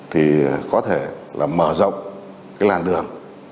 thì có thể là mở rộng cái làn đường